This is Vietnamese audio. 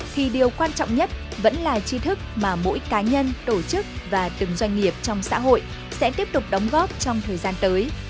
thì điều quan trọng nhất vẫn là chi thức mà mỗi cá nhân tổ chức và từng doanh nghiệp trong xã hội sẽ tiếp tục đóng góp trong thời gian tới